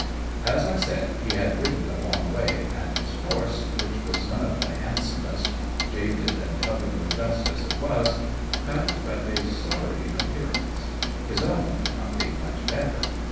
As I said, he had ridden a long way, and his horse, which was none of the handsomest, jaded and covered with dust as it was, cut but a sorry appearance, his own not being much better.